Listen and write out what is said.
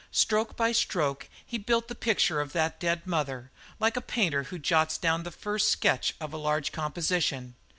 Stroke by stroke he built the picture of that dead mother, like a painter who jots down the first sketch of a large composition.